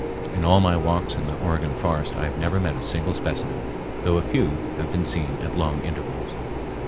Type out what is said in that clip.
In all my walks in the Oregon forest I have never met a single specimen, though a few have been seen at long intervals.